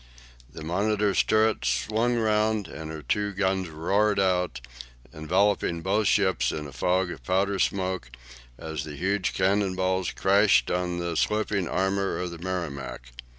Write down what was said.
The "Monitor's" turret swung round, and her two guns roared out, enveloping both ships in a fog of powder smoke as the huge cannon balls crashed on the sloping armour of the "Merrimac."